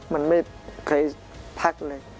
มันไม่เคยพักเลย